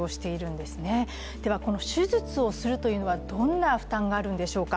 では、手術をするというのはどんな負担があるんでしょうか。